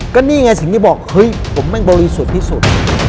ก็นี่ไงสิทธิ์ที่บอกเฮ้ยผมแม่งบรีสุดที่สุด